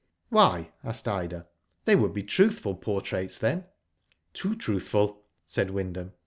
"Why?" asked Ida. "They would be truthful portraits then." "Too truthful," said Wyndham.